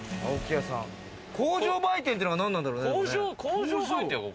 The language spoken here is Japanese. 工場売店っていうのはなんなんだろうね。